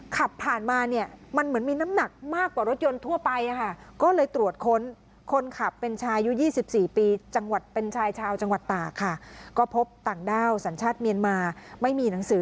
ครับผ่านมาเนี่ยมันเหมือนมีน้ำหนักมากกว่ารถยนต์ทั่วไป